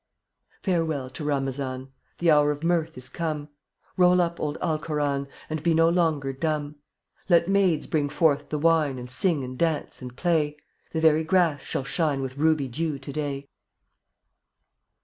71 Farewell to Ramazan! The hour of mirth is come; Roll up old Alkoran And be no longer dumb. Let maids bring forth the wine And sing and dance and play; The very grass shall shine With ruby dew to day!